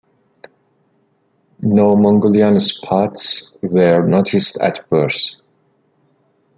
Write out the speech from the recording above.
No Mongolian spots were noticed at birth.